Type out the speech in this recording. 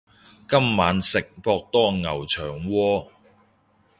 今晚食博多牛腸鍋